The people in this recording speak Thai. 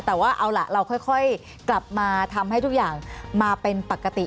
แต่ว่าเอาล่ะเราค่อยกลับมาทำให้ทุกอย่างมาเป็นปกติ